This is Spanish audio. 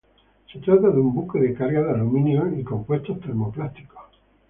Se trata de un buque de carga de aluminio y compuestos termoplásticos.